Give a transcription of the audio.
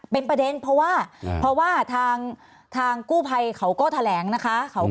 เป็นประเด็นเพราะว่าเพราะว่าทางกู้ภัยเขาก็แถลงนะคะ